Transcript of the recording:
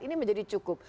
ini menjadi cukup